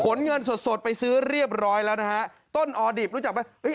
เงินสดสดไปซื้อเรียบร้อยแล้วนะฮะต้นออดิบรู้จักไหม